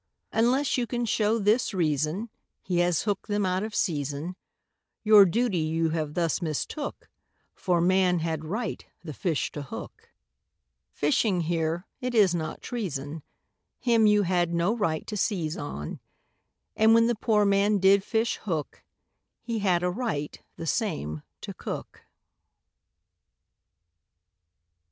Unless you can show this reason, He has hooked them out of season, Your duty you have thus mistook, For man had right the fish to hook. Fishing here it is not treason, Him you had no right to seize on, And when the poor man did fish hook, He had a right the same to cook.